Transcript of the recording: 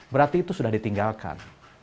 berarti itu sudah ditinggalkan